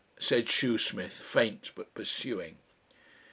said Shoesmith, faint but pursuing.